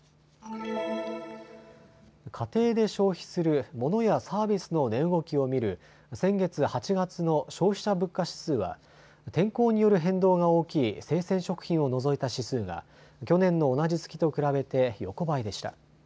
家庭で消費するモノやサービスの値動きを見る先月８月の消費者物価指数は天候による変動が大きい生鮮食品を除いた指数が去年の同じ月と比べて横ばいでした。